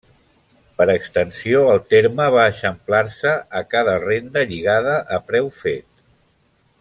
Per extensió el terme va eixamplar-se a cada renda lligada a preu fet.